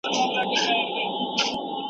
علمي څېړنه د بنسټیزي څېړني پر بنسټ ولاړه ده.